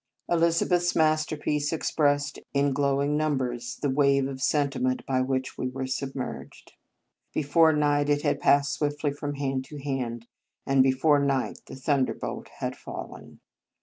Elizabeth s mas terpiece expressed in glowing num bers the wave of sentiment by which 25 In Our Convent Days we were submerged. Before night it had passed swiftly from hand to hand, and before night the thunderbolt had fallen.